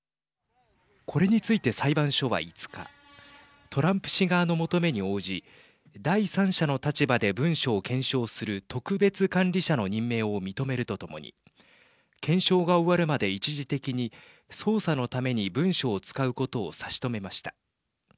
これについて裁判所は、５日トランプ氏側の求めに応じ第三者の立場で文書を検証する特別管理者の任命を認めるとともに検証が終わるまで一時的に捜査のために文書を使うことを差し止めました。